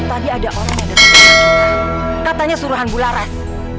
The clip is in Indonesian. tadi ada orang yang datang ke sana katanya suruhan bulares